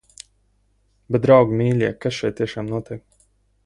Bet, draugi mīļie, kas šeit tiešām notiek?